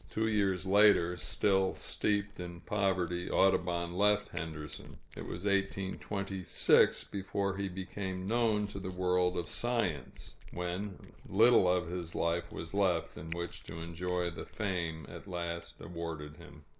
Two years later, still steeped in poverty, Audubon left Henderson. It was 1826 before he became known to the world of science, when little of his life was left in which to enjoy the fame at last awarded him.